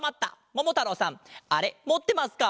ももたろうさんあれもってますか？